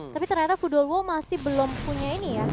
tapi ternyata fudelwo masih belum punya ini ya